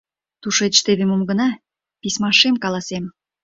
Тушеч теве мом гына письмашем каласем.